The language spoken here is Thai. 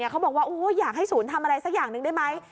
เขาบอกว่าอยากให้ศูนย์ทำอะไรสักอย่างหนึ่งได้ไหม